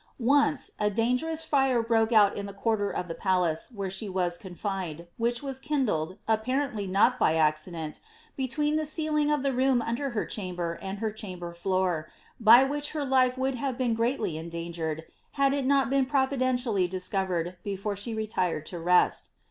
Once, a dangerous fire broke out in the quarter of the palace where she was confined, which was kindled, apparently not by accident, between the ceiling of the room under her chamber and her chamber floor, by which her life would have been greatly endangered, had it not been providentially dis covered before she retired to rest.'